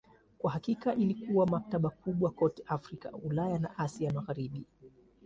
Kwa hakika ilikuwa maktaba kubwa kote Afrika, Ulaya na Asia ya Magharibi.